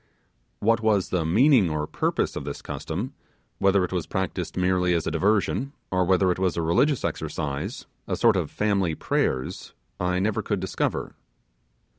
What was the meaning or purpose of this custom, whether it was practiced merely as a diversion, or whether it was a religious exercise, a sort of family prayers, I never could discover.